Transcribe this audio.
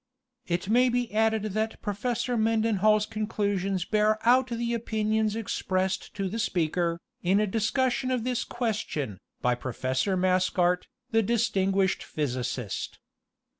It may be added that Professor Mendenhall's conclu sions bear out the opinions expressed to the speaker, in a discus sion of this question, by Professor Mascart, the distinguished physicist.